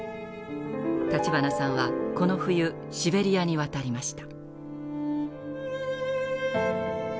立花さんはこの冬シベリアに渡りました。